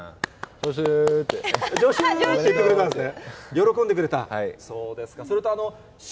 ジョシュって言ってくれたんですね。